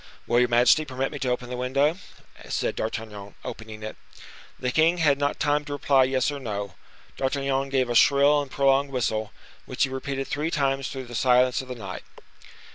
"Will your majesty permit me to open the window?" said D'Artagnan, opening it. The king had not time to reply yes or no. D'Artagnan gave a shrill and prolonged whistle, which he repeated three times through the silence of the night.